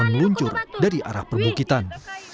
meluncur dari arah perbukitan